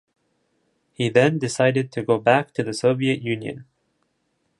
He then decided to go back to the Soviet Union.